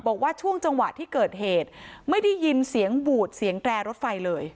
บอกว่าช่วงจังหวะที่เกิดเหตุไม่ได้ยินเสียงบูดเสียงแตรรถไฟเลย